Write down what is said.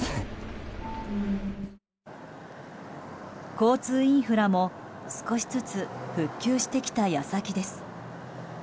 交通インフラも少しずつ復旧してきた矢先です。